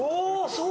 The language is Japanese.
そう。